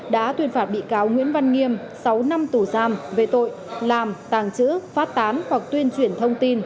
đã tuyên phạt bị cáo nguyễn văn nghiêm sáu năm tù giam về tội làm tàng trữ phát tán hoặc tuyên truyền thông tin